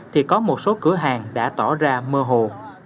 thì có một số cửa hàng đã tỏ ra mơ hồ